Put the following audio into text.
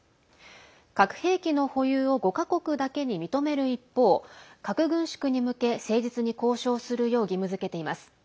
核兵器の保有を５か国だけに認める一方核軍縮に向け誠実に交渉するよう義務づけています。